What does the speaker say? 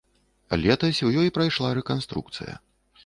Летась у ёй прайшла рэканструкцыя.